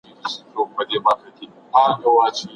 تاسو د انټرنیټ سرعت په خپل سیم کارت کې وګورئ.